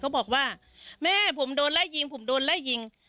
บอกว่าแม่ผมโดนไล่ยิงผมโดนไล่ยิง